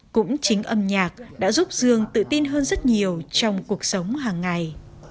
cũng chính âm nhạc đã giúp dương tự tin hơn rất nhiều trong cuộc sống hàng ngày